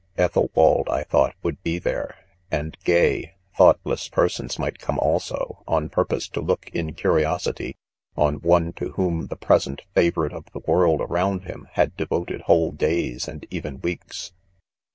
i Ethelwald, I thought, would be there ;. and gay, thoughtless persons might come, also, on purpose to look, in curiosity, on one, to whom* the present favorite., of the world around him, had devoted whole days, and even weeks.